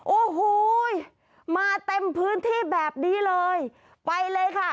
โอ้โหมาเต็มพื้นที่แบบนี้เลยไปเลยค่ะ